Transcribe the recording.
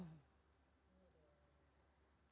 kalau tidak jodohnya itu berarti